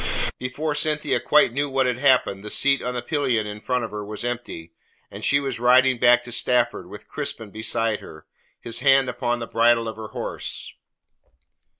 Before Cynthia quite knew what had happened the seat on the pillion in front of her was empty, and she was riding back to Stafford with Crispin beside her, his hand upon the bridle of her horse.